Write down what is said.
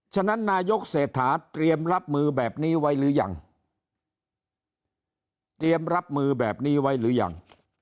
ฉะนั้นนายกเศรษฐาเตรียมรับมือแบบนี้ไว้หรือยังเตรียมรับมือแบบนี้ไว้หรือยัง